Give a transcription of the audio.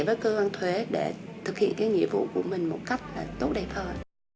với cơ quan thuế để thực hiện nghĩa vụ của mình một cách tốt đẹp hơn